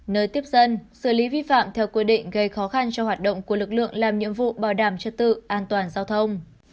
nơi tiếp dân xử lý vi phạm theo quy định gây khó khăn cho hoạt động của lực lượng làm nhiệm vụ bảo đảm trật tự an toàn giao thông